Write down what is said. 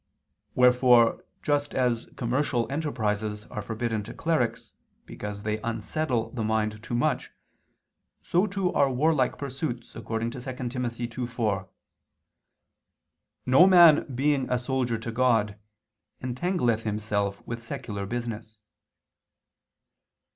Wherefore just as commercial enterprises are forbidden to clerics, because they unsettle the mind too much, so too are warlike pursuits, according to 2 Tim. 2:4: "No man being a soldier to God, entangleth himself with secular business."